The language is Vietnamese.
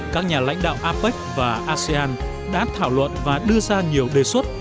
các nhà lãnh đạo apec và asean đã thảo luận và đưa ra nhiều đề xuất